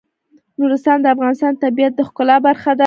نورستان د افغانستان د طبیعت د ښکلا برخه ده.